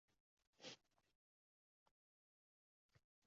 Daraxtlardan holi bu yalanglikni zabtiga olgandi.